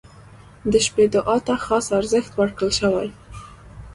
• د شپې دعا ته خاص ارزښت ورکړل شوی.